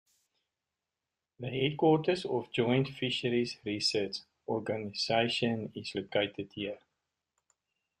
The headquarters of the Joint Fisheries Research Organisation is located here.